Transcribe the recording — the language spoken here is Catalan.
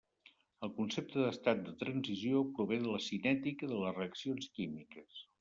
El concepte d'estat de transició prové de la cinètica de les reaccions químiques.